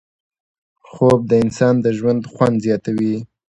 خوب د انسان د ژوند خوند زیاتوي